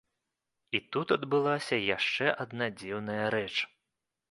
І тут адбылася яшчэ адна дзіўная рэч.